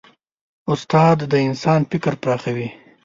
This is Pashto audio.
استاد د انسان فکر پراخوي.